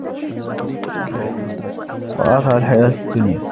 وآثر الحياة الدنيا